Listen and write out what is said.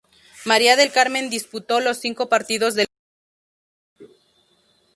María del Carmen disputó los cinco partidos del equipo.